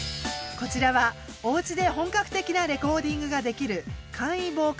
こちらはおうちで本格的なレコーディングができる。